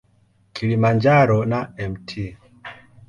Kilimanjaro na Mt.